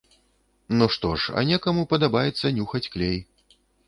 Ну што ж, а некаму падабаецца нюхаць клей.